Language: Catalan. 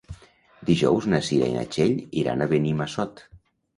Dijous na Cira i na Txell iran a Benimassot.